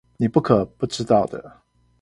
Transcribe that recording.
你不可不知道的